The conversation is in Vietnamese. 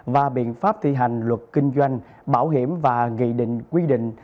và biện pháp thi hành luật kinh doanh bảo hiểm và nghị định quy định